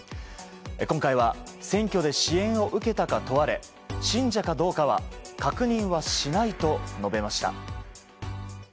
今回は選挙で支援を受けたか問われ信者かどうかは確認はしないと述べました。